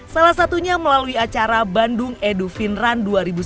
salah satunya melalui acara bandung edufin run dua ribu sembilan belas